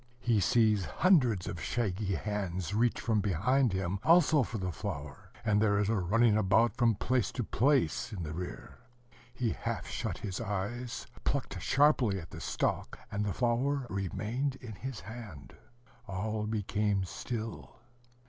He sees hundreds of shaggy hands reach from behind him, also for the flower; and there is a running about from place to place, in the rear. He half shut his eyes, plucked sharply at the stalk, and the flower remained in his hand. All became still.